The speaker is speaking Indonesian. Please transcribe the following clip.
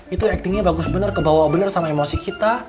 itu actingnya bagus bener kebawa benar sama emosi kita